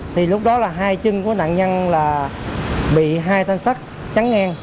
thì lúc đó là hai chân của nạn nhân là bị hai thanh sắt trắng ngang